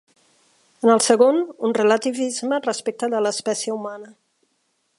En el segon, un relativisme respecte de l'espècie humana.